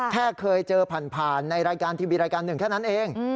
แค่เคยเจอผ่านในรายการทีวีรายการหนึ่งแค่นั้นเอง